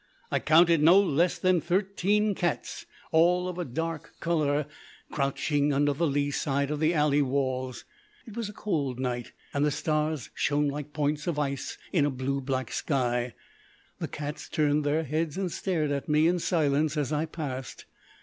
I counted no less than thirteen cats, all of a dark colour, crouching under the lee side of the alley walls. It was a cold night, and the stars shone like points of ice in a blue black sky. The cats turned their heads and stared at me in silence as I passed.